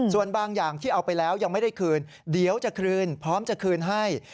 ส่วนบางอย่างที่เอาไปแล้วยังไม่ได้คืนเดี๋ยวจะคืนพร้อมจะคืนให้